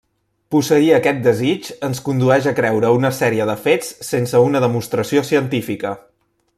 Posseir aquest desig ens condueix a creure una sèrie de fets sense una demostració científica.